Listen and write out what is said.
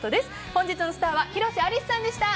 本日のスターは広瀬アリスさんでした。